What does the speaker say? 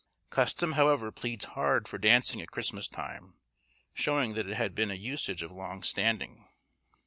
Custom, however, pleads hard for dancing at Christmas time, showing that it had been a usage of long standing.